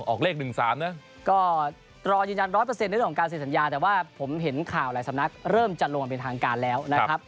ออกเลข๑๓นะก็รอยืนยัน๑๐๐ในเรื่องของการเซ็นสัญญาแต่ว่าผมเห็นข่าวหลายสำนักเริ่มจะลงเป็นทางการแล้วนะครับ